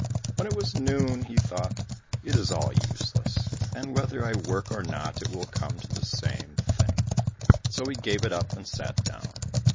When it was noon, he thought, "It is all useless, and whether I work or not it will come to the same thing." So he gave it up and sat down.